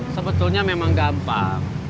sebetulnya memang gampang